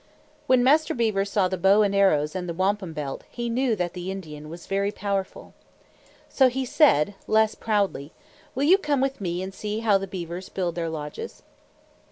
When Master Beaver saw the bow and arrows and the wampum belt, he knew that the Indian was very powerful. So he said, less proudly, "Will you come with me and see how the beavers build their lodges?"